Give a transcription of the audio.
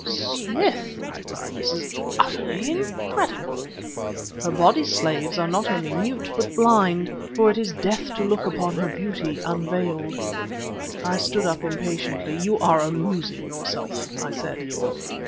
"Smith!" I cried, "this is utterly incredible!" "Her body slaves are not only mute, but blind; for it is death to look upon her beauty unveiled." I stood up impatiently. "You are amusing yourself," I said.